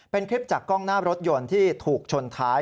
เป็นคลิปจากกล้องหน้ารถยนต์ที่ถูกชนท้าย